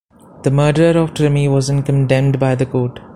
The murderer of Trimmi wasn't condemned by the court.